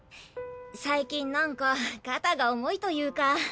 最近なんか肩が重いというか。